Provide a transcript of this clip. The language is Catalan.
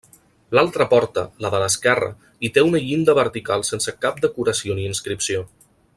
L'altra porta, la de l'esquerra hi té una llinda vertical sense cap decoració ni inscripció.